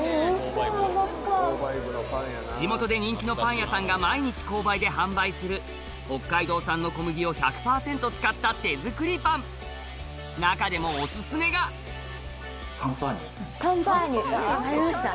地元で人気のパン屋さんが毎日購買で販売する北海道産の小麦を１００％使った手作りパン中でもカンパーニュ分かりました。